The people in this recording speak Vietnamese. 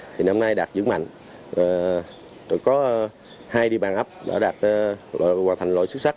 thì năm nay đạt dưỡng mạnh rồi có hai địa bàn ấp đã đạt hoàn thành lội xuất sắc